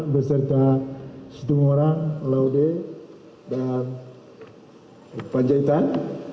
beserta setengah orang laude dan pak jaitan